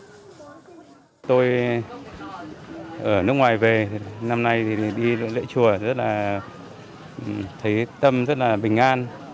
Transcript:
năm nay ở nước ngoài về năm nay đi lễ chùa rất là thấy tâm rất là bình an